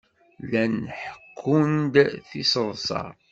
Llan ḥekkun-d tiseḍsa.